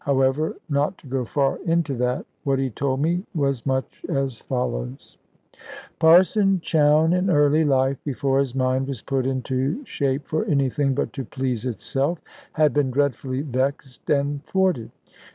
However, not to go far into that, what he told me was much as follows: Parson Chowne, in early life, before his mind was put into shape for anything but to please itself, had been dreadfully vexed and thwarted.